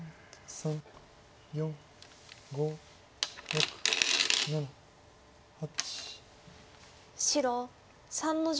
３４５６７８。